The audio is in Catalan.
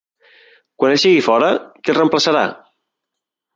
Quan ell sigui fora, qui el reemplaçarà?